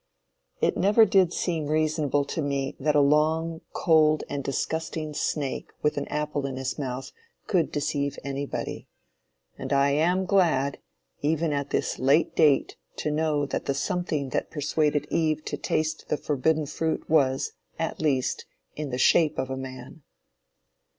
It never did seem reasonable to me that a long, cold and disgusting snake with an apple in his mouth, could deceive anybody; and I am glad, even at this late date to know that the something that persuaded Eve to taste the forbidden fruit was, at least, in the shape of a man.